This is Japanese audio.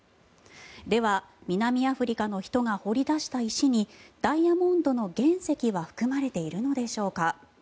では、南アフリカの人が掘り出した石にダイヤモンドの原石は含まれているのでしょうか。